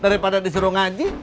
daripada disuruh ngaji